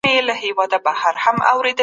هیواد ستاسو په تمه دی.